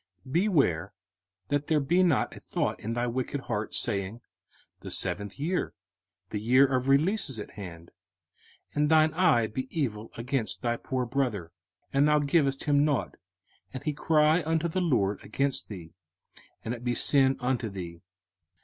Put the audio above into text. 05:015:009 Beware that there be not a thought in thy wicked heart, saying, The seventh year, the year of release, is at hand; and thine eye be evil against thy poor brother, and thou givest him nought; and he cry unto the LORD against thee, and it be sin unto thee.